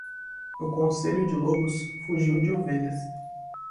O conselho de lobos fugiu de ovelhas.